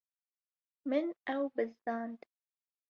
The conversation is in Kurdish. Min ew bizdand.